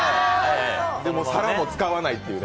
皿も使わないっていうね。